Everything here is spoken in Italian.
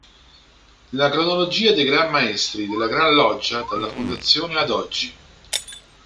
La cronologia dei Gran Maestri della Gran Loggia dalla fondazione ad oggi.